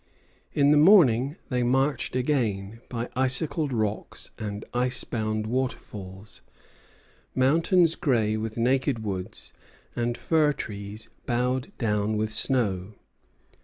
In the morning they marched again, by icicled rocks and icebound waterfalls, mountains gray with naked woods and fir trees bowed down with snow.